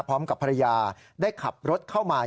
พร้อมกับภรรยาได้ขับรถเข้ามา